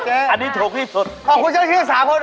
อันนี้ถูกที่สุด